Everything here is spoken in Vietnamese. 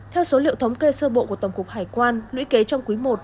theo số liệu thống kê sơ bộ của tổng cục hải quan lũy kế trong quý i